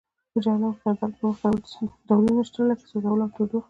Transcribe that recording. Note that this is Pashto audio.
په جهنم کې د عذاب لپاره مختلف ډولونه شتون لري لکه سوځول او تودوخه.